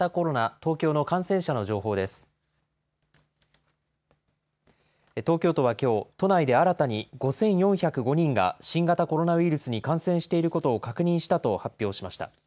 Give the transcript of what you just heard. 東京都はきょう、都内で新たに５４０５人が新型コロナウイルスに感染していることを確認したと発表しました。